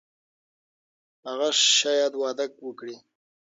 هغه شاید واده وکړي.